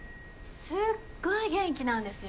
すっごい元気なんですよ。